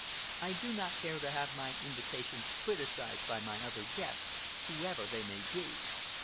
I do not care to have my invitations criticised by my other guests, whoever they may be.